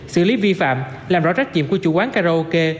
xử lý vi phạm làm rõ trách nhiệm của chủ quán karaoke